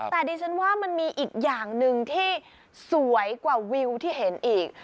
แต่ดิฉันว่ามันมีอีกอย่างหนึ่งที่สวยกว่าวิวที่เห็นอีก